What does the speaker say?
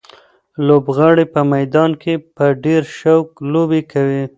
لوبغاړي په میدان کې په ډېر شوق لوبې کوي.